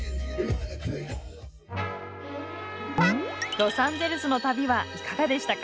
ロサンゼルスの旅はいかがでしたか？